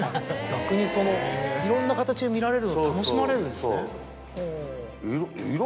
逆にそのいろんな形が見られるのを楽しまれるんですね。